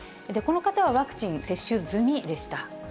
この方はワクチン接種済みでした。